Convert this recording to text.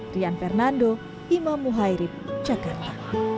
rian fernando imam muhairib jakarta